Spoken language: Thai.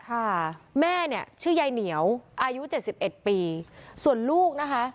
ค่ะแม่เนี่ยชื่อยายเหนียวอายุเจ็ดสิบเอ็ดปีส่วนลูกนะคะ